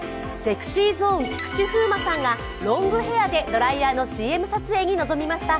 ＳｅｘｙＺｏｎｅ・菊池風磨さんがロングヘアでドライヤーのＣＭ撮影に臨みました。